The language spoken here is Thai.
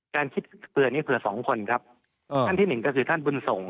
การคิดเผื่อนี้เผื่อสองคนครับท่านที่หนึ่งก็คือท่านบุญส่ง